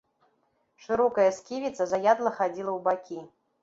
Шырокая сківіца заядла хадзіла ў бакі.